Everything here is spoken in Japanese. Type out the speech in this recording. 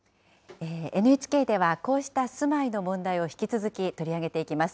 ＮＨＫでは、こうした住まいの問題を引き続き取り上げていきます。